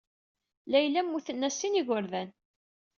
Layla mmuten-as sin n yigerdan.